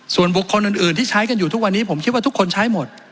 ส่วนบุคคลอื่นที่ใช้กันอยู่ทุกวันนี้ผมคิดว่าทุกคนใช้หมด